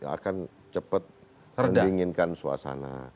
akan cepat rendinginkan suasana